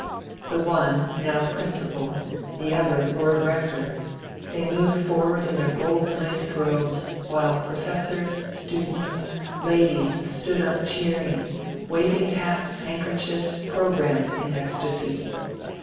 The one now Principal, the other Lord Rector, they moved forward in their gold laced robes, while professors, students, ladies stood up cheering, waving hats, handkerchiefs, programmes in ecstasy.